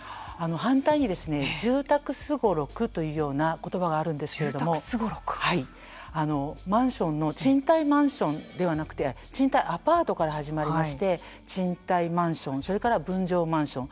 反対に住宅すごろくというような言葉があるんですけれどもマンションの賃貸マンションではなくて賃貸アパートから始まりまして賃貸マンションそれから分譲マンション